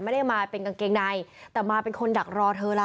ไม่ได้มาเป็นกางเกงในแต่มาเป็นคนดักรอเธอล่ะ